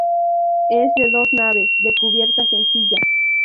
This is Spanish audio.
Es de dos naves, de cubierta sencilla.